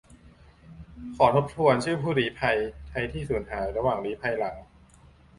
ขอทบทวนชื่อ ผู้ลี้ภัย ไทยที่สูญหายระหว่างลี้ภัยหลัง